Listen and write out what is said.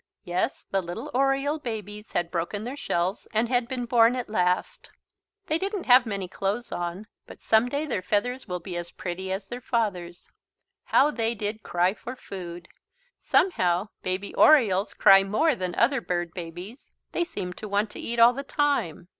Yes, the little Oriole babies had broken their shells and had been born at last. They didn't have many clothes on. But some day their feathers will be as pretty as their father's. How they did cry for food! Somehow baby Orioles cry more than other bird babies. They seem to want to eat all the time.